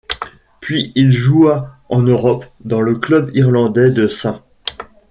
Puis il joua en Europe, dans le club irlandais de St.